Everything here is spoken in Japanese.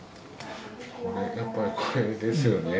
やっぱりこれですよね。